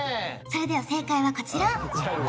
それでは正解はこちら！